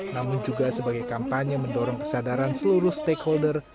namun juga sebagai kampanye mendorong kesadaran seluruh stakeholder